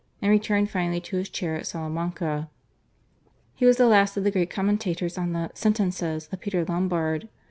and returned finally to his chair at Salamanca. He was the last of the great commentators on the /Sentences/ of Peter Lombard.